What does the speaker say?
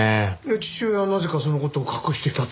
父親はなぜかその事を隠していたって事ですか？